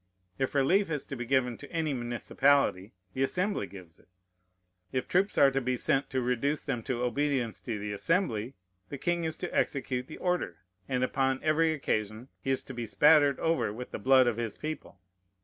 If relief is to be given to any municipality, the Assembly gives it. If troops are to be sent to reduce them to obedience to the Assembly, the king is to execute the order; and upon every occasion he is to be spattered over with the blood of his people.